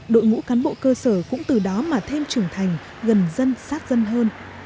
đội ngũ cán bộ cơ sở cũng từ đó mà thêm trưởng thành gần dân sát dân hơn